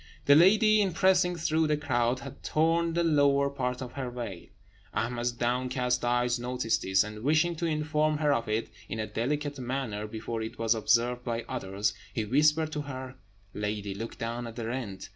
The lady, in pressing through the crowd, had torn the lower part of her veil. Ahmed's downcast eyes noticed this; and wishing to inform her of it in a delicate manner, before it was observed by others, he whispered to her, "Lady, look down at the rent."